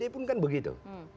nah dpr pun kan begitu